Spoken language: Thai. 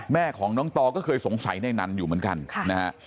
แม่ของน้องตอก็เคยสงสัยในนั้นอยู่เหมือนกันนะฮะ